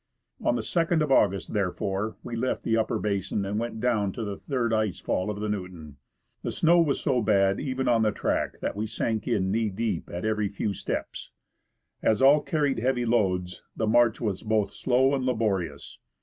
On the 2nd of August, therefore, we left the upper basin and went down to the third ice fall of the Newton. The snow was so bad even on the track that we sank in knee deep at every few steps. As all carried heavy loads, the march was both slow and laborious.